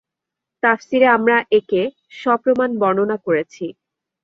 তাফসীরে আমরা একে সপ্রমাণ বর্ণনা করেছি।